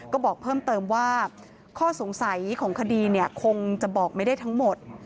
ก็บอกเพิ่มเติมว่าข้อสงสัยของคดีคงจะบอกไม่ได้ทั้งหมด